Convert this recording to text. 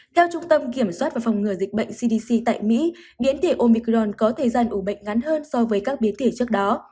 theo trung tâm kiểm soát và phòng ngừa dịch bệnh cdc tại mỹ viễn thị omicron có thời gian ủ bệnh ngắn hơn so với các biến thể trước đó